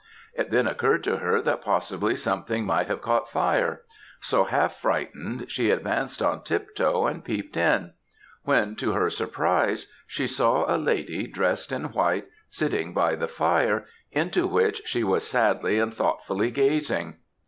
It then occurred to her that possibly something might have caught fire; so half frightened, she advanced on tip toe and peeped in, when, to her surprise, she saw a lady dressed in white, sitting by the fire, into which she was sadly and thoughtfully gazing.